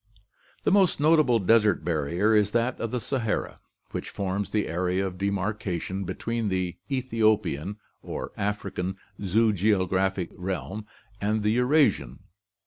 The most notable desert barrier is that of the Sahara, which forms the area of demarcation between the Ethiopian or African zoogeographical realm and the Eurasian.